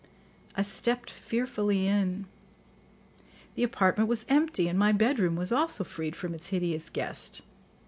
I stepped fearfully in: the apartment was empty, and my bedroom was also freed from its hideous guest.